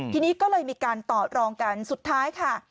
ทีนี้ก็เลยมีการต่อรองกันสุดท้ายค่ะ